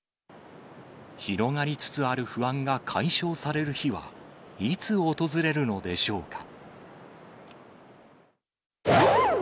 広がりつつある不安が解消される日は、いつ訪れるのでしょうか。